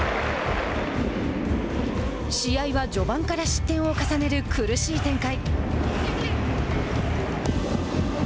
試合は序盤から失点を重ねる苦しい展開。